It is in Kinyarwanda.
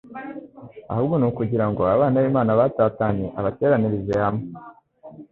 ahubwo ni ukugira ngo abana b'Imana batatanye abateranirize hamwe."